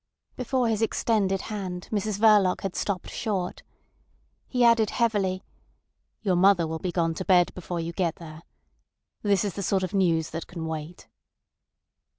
Before his extended hand Mrs Verloc had stopped short. He added heavily: "Your mother will be gone to bed before you get there. This is the sort of news that can wait."